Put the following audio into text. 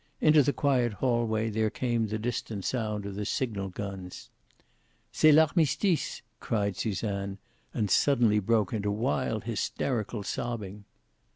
Into the quiet hallway there came the distant sound of the signal guns. "C'est l'armistice!" cried Suzanne, and suddenly broke into wild hysterical sobbing.